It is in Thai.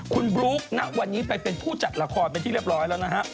คุณบลุ๊กณวันนี้ไปเป็นผู้จัดละครเป็นที่เรียบร้อยแล้วนะฮะ